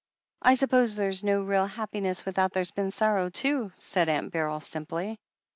"I suppose there's no real happiness without there's been sorrow too," said Aunt Beryl simply.